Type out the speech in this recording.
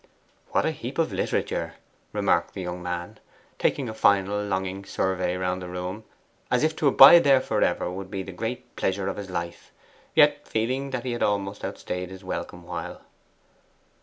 'What a heap of literature!' remarked the young man, taking a final longing survey round the room, as if to abide there for ever would be the great pleasure of his life, yet feeling that he had almost outstayed his welcome while.